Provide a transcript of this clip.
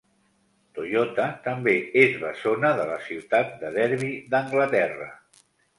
Toyota també és bessona de la ciutat de Derby d'Anglaterra.